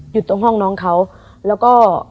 อยู่ตรงห้องน้องเขาแล้วก็